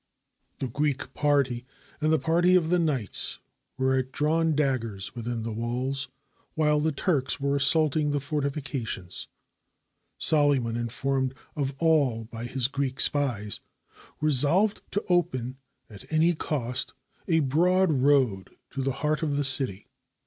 The Greek party 504 THE SURRENDER OF RHODES and the party of the knights were at drawn daggers within the walls, while the Turks were assaulting the fortifications. Solyman, informed of all by his Greek spies, resolved to open at any cost a broad road to the heart of the city.